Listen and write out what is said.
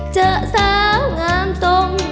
เจอสาวงามตรง